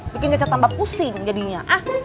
bikin cacat tambah pusing jadinya